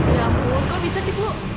ya ampun kok bisa sih bu